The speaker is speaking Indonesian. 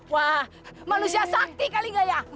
wah manusia sakti kali nggak ya